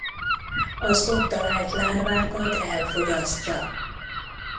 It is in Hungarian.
Az ott talált lárvákat elfogyasztja.